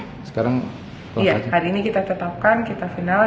iya hari ini kita tetapkan kita final